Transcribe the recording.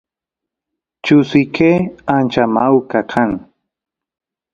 chusiyke ancha mawka kan